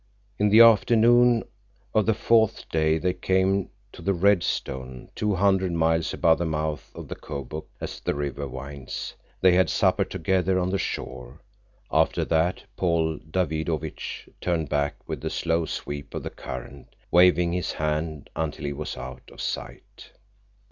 In the afternoon of the fourth day they came to the Redstone, two hundred miles above the mouth of the Kobuk as the river winds. They had supper together on the shore. After that Paul Davidovich turned back with the slow sweep of the current, waving his hand until he was out of sight.